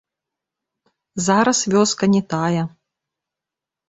Зараз вёска не тая.